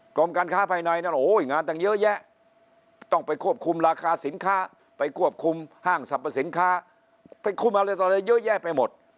กรมการค้าภายในนั้นโอ้โหงานตั้งเยอะแยะต้องไปควบคุมราคาสินค้าไปควบคุมห้างสรรพสินค้าไปคุมอะไรต่ออะไรเยอะแยะไปหมด